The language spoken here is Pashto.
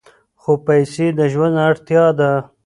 خو پیسې د ژوند اړتیا ده.